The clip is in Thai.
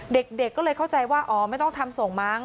เด็กก็เลยเข้าใจว่าอ๋อไม่ต้องทำส่งมั้ง